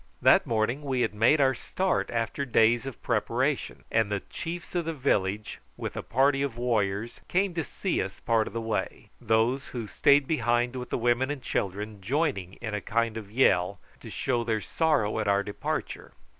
That morning we had made our start after days of preparation, and the chiefs of the village with a party of warriors came to see us part of the way, those who stayed behind with the women and children joining in a kind of yell to show their sorrow at our departure.